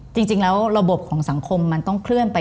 จริงแล้วระบบของสังคมมันต้องเคลื่อนไป